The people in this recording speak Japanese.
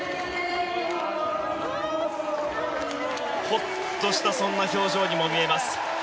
ホッとしたそんな表情にも見えます。